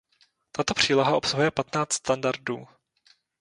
Tato příloha obsahuje patnáct standardů.